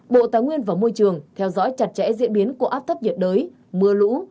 bộ tài nguyên và môi trường theo dõi chặt chẽ diễn biến của áp thấp nhiệt đới mưa lũ